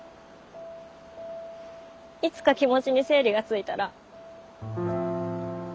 いつか気持ちに整理がついたら。